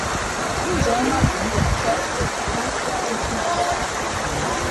John was a fourth great grandson of William.